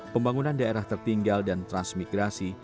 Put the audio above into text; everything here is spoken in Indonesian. pembangunan daerah tertinggal dan transmigrasi